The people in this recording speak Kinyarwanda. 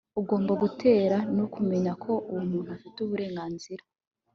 ugomba gutera, ni ukumenya ko uwo muntu afite uburenganzira